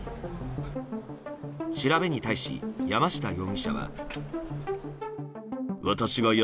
調べに対し、山下容疑者は。